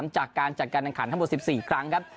จากการจัดการแข่งขันทั้งหมด๑๔ครั้งครับ